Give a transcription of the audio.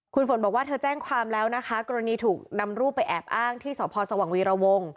คุณฝนบอกว่าเธอแจ้งความแล้วนะคะกรณีถูกนำรูปไปแอบอ้างที่สพสว่างวีรวง